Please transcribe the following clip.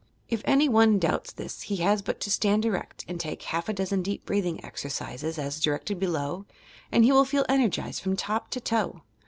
If any one doubts this he has but to stand erect and take half a dozen deep breathing exercises, as directed below, and he will feel energized from top to toe.